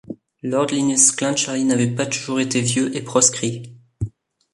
Lord Linnœus Clancharlie n’avait pas toujours été vieux et proscrit.